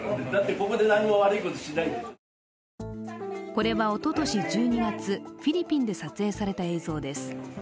これは、おととし１２月、フィリピンで撮影された映像です。